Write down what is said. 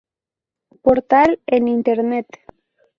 Portal en internet